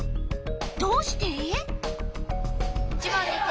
どうして？